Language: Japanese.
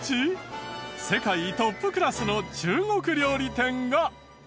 世界トップクラスの中国料理店が！